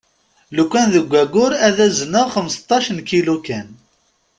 Lukan deg ayyur ad azneɣ xmesṭac n kilu kan.